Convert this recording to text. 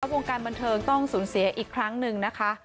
วงการบันเทิงต้องสูญเสียอีกครั้งหนึ่งนะคะ